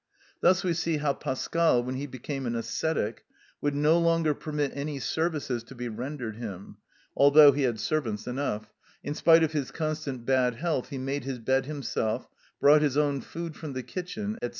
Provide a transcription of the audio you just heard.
Thus we see how Pascal, when he became an ascetic, would no longer permit any services to be rendered him, although he had servants enough; in spite of his constant bad health he made his bed himself, brought his own food from the kitchen, &c.